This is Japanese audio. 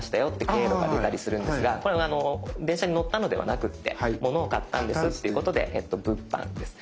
経路が出たりするんですがこれあの電車に乗ったのではなくってモノを買ったんですということで物販です。